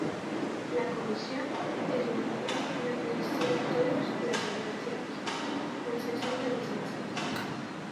La comisión es la encargada en administrar todas las regulaciones, concesión de licencias.